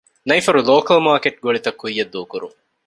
ނައިފަރު ލޯކަލް މާރުކޭޓް ގޮޅިތައް ކުއްޔަށް ދޫކުރުން